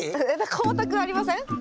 光沢ありません？